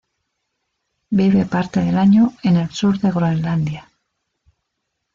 Vive parte del año en el sur de Groenlandia.